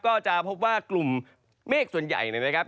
ก็จะพบว่ากลุ่มเมฆส่วนใหญ่นะครับ